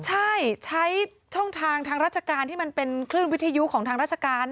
ใช่ใช้ช่องทางทางราชการที่มันเป็นคลื่นวิทยุของทางราชการ